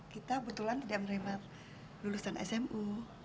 kita kebetulan tidak menerima lulusan smu